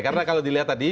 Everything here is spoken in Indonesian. karena kalau dilihat tadi